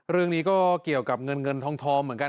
เรื่องนี้ก็เกี่ยวกับเงินเงินทองเหมือนกัน